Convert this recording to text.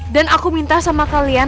dan aku minta sama kalian